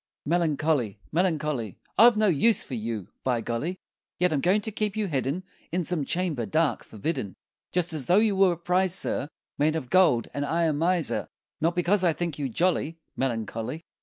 Melancholy, Melancholy, I've no use for you, by Golly! Yet I'm going to keep you hidden In some chamber dark, forbidden, Just as though you were a prize, sir, Made of gold, and I a miser Not because I think you jolly, Melancholy!